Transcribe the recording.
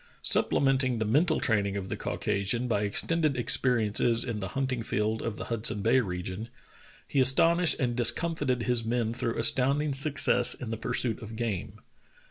Supplement ing the mental training of the Caucasian by extended experiences in the hunting field of the Hudson Bay region, he astonished and discomfited his men through astounding success in the pursuit of game.